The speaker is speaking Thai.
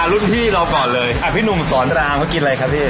อ่ารุ่นพี่เราก่อนเลยเด็กพี่นุ่มสอนตลาสกินอะไรครับพี่